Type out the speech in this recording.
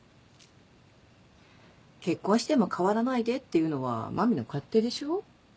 「結婚しても変わらないで」っていうのは麻美の勝手でしょ。